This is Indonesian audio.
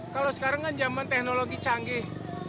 kalau sekarang kan zaman teknologi canggih